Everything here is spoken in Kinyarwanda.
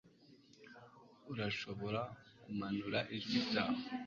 Urashobora kumanura ijwi ryawe